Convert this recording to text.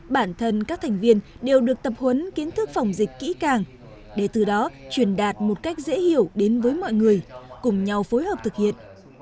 bản thân các thành viên đều được tập huấn kiến thức phòng dịch kỹ càng để từ đó truyền đạt một cách dễ hiểu đến với mọi người cùng nhau phối hợp thực hiện